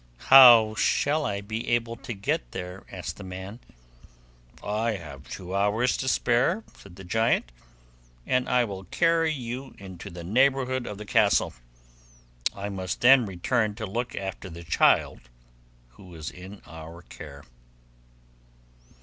'How shall I be able to get there?' asked the man. 'I have two hours to spare,' said the giant, 'and I will carry you into the neighbourhood of the castle; I must then return to look after the child who is in our care.